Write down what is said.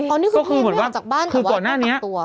อันนี้คือพี่ไม่ออกจากบ้านก็ว่าตัดตัว